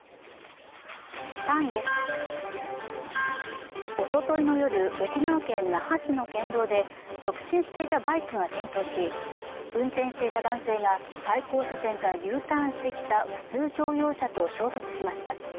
３位です、おとといの夜沖縄県那覇市の県道で直進していたバイクが転倒し、運転していた男性が対向車線からＵターンしてきた普通乗用車と衝突しました。